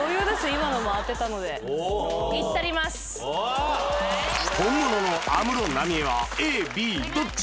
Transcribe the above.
今のも当てたので本物の安室奈美恵はＡＢどっち？